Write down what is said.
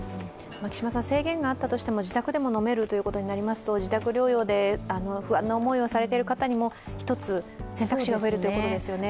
制限があったとしても自宅でも飲めることになりますと自宅療養で不安な思いをされている方にも一つ選択肢が増えるということですよね。